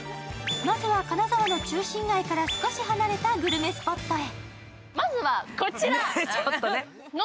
まずは金沢の中心街から少し離れたグルメスポットへ。